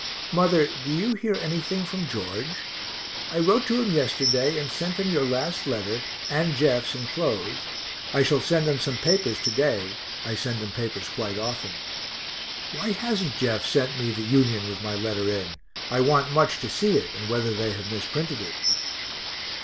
Mother, do you hear anything from George? I wrote to him yesterday and sent him your last letter, and Jeff's enclosed I shall send him some papers to day I send him papers quite often. (Why hasn't Jeff sent me the Union with my letter in? I want much to see it, and whether they have misprinted it.)